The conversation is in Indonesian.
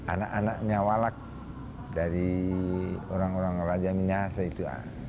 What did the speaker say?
anak anaknya walak dari orang orang raja minasa itu